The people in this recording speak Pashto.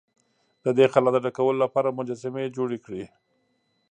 د دې خلا د ډکولو لپاره مجسمې جوړې کړې.